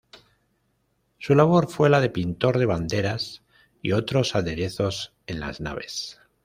Su labor fue la de pintor de banderas y otros aderezos en las naves.